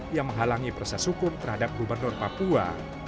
yang menghalangi proses hukum terhadap gubernur papua